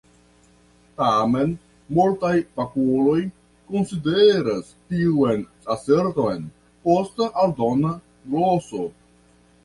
Tamen, multaj fakuloj konsideras tiun aserton posta aldona gloso.